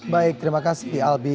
baik terima kasih albi